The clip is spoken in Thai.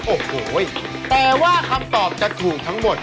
โอ้โหแต่ว่าคำตอบจะถูกทั้งหมด